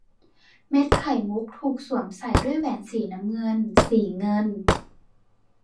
เม็ดไข่มุกถูกสวมใส่ด้วยแหวนสีน้ำเงินสีเงิน